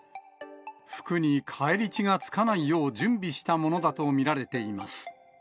服に返り血がつかないよう準備したものだと見られています。